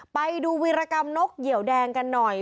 ไปดูวีรกรรมนกเหยียวแดงกันหน่อย